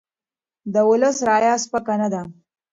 د ولس رایه سپکه نه ده